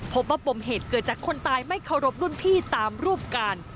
ปมเหตุเกิดจากคนตายไม่เคารพรุ่นพี่ตามรูปการ